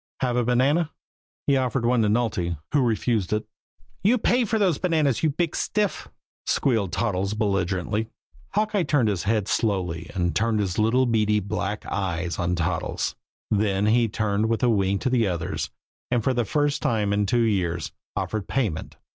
Have a banana?" He offered one to Nulty, who refused it. "You pay for those bananas, you big stiff!" squealed Toddles belligerently. Hawkeye turned his head slowly and turned his little beady, black eyes on Toddles, then he turned with a wink to the others, and for the first time in two years offered payment.